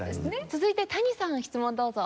続いて谷さん質問どうぞ。